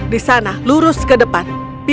di sana lurus ke depan